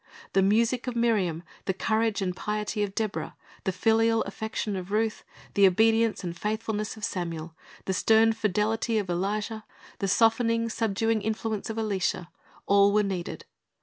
The music of Miriam, the courage and piety of Deborah, the filial affection of Ruth, the obedience and faithfulness of Samuel, the stern fidelity of Elijah, the softening, subduing influence of Elisha, — all were needed.